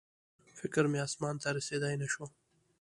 فکر مې اسمان ته رسېدی نه شو